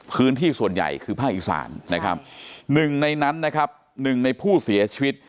พื้นที่ส่วนใหญ่คือภาคอีสานนะครับหนึ่งในนั้นนะครับหนึ่งในผู้เสียชีวิต